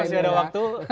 masih ada waktu